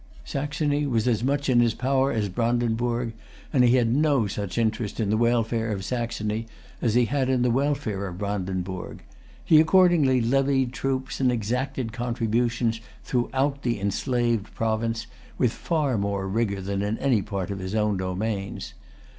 Saxony was as much in his power as Brandenburg; and he had no such interest in the welfare of Saxony as he had in the welfare of Brandenburg. He accordingly levied troops and exacted contributions throughout the enslaved province, with far more rigor than in any part of his own dominions.